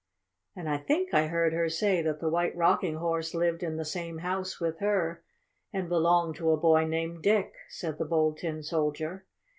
"And I think I heard her say that the White Rocking Horse lived in the same house with her, and belonged to a boy named Dick," said the Bold Tin Soldier.